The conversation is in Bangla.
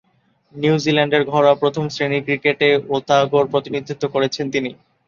নিউজিল্যান্ডের ঘরোয়া প্রথম-শ্রেণীর ক্রিকেটে ওতাগোর প্রতিনিধিত্ব করেছেন তিনি।